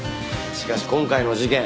しかし今回の事件